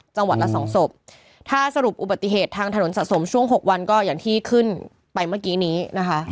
จังหวัดละสองศพถ้าสรุปอุบัติเหตุทางถนนสะสมช่วงหกวันก็อย่างที่ขึ้นไปเมื่อกี้นี้นะคะ